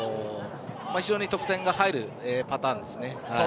非常に得点が入るパターンですね。